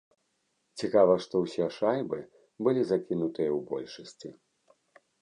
Цікава, што ўсе шайбы былі закінутыя ў большасці.